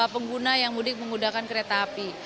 pengguna yang mudik menggunakan kereta api